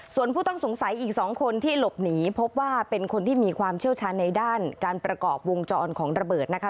ส่วนผู้ต้องสงสัยอีก๒คนที่หลบหนีพบว่าเป็นคนที่มีความเชี่ยวชาญในด้านการประกอบวงจรของระเบิดนะคะ